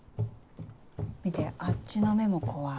見てあっちの目も怖い。